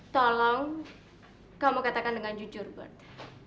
tolong kamu katakan dengan jujur buat